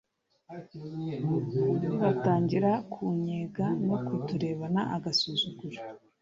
batangira kutunnyega no kuturebana agasuzuguro